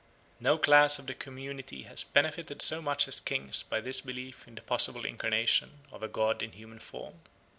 No class of the community has benefited so much as kings by this belief in the possible incarnation of a god in human form.